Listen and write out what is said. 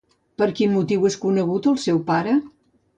Per quin motiu és conegut el seu pare?